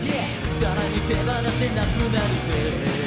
更に手放せなくなるぜ